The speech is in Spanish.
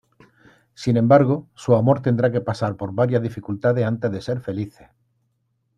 Sin embargo, su amor tendrá que pasar por varias dificultades antes de ser felices.